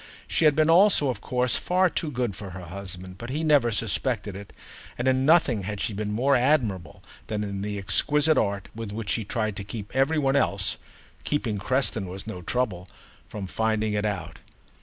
She had been also of course far too good for her husband, but he never suspected it, and in nothing had she been more admirable than in the exquisite art with which she tried to keep every one else (keeping Creston was no trouble) from finding it out.